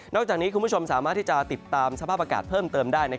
จากนี้คุณผู้ชมสามารถที่จะติดตามสภาพอากาศเพิ่มเติมได้